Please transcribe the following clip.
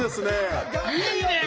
いいねえ